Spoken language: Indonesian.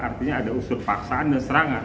artinya ada unsur paksaan dan serangan